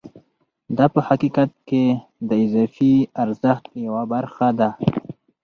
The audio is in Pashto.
دا په حقیقت کې د اضافي ارزښت یوه برخه ده